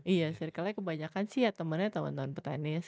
iya circle nya kebanyakan sih ya temennya temen temen petenis